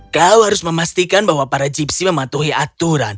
kau harus memastikan bahwa para jeepsi mematuhi aturan